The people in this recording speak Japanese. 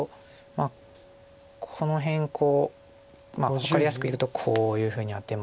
まあこの辺分かりやすく言うとこういうふうにアテまして。